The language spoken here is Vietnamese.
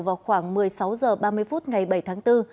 vào khoảng một mươi sáu h ba mươi phút ngày bảy tháng bốn